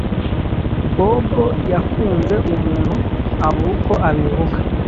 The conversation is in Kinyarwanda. bobo yakunze umuntu abura uko abivuga